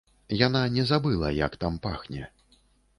Яна не забыла, як там пахне.